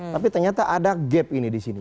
tapi ternyata ada gap ini di sini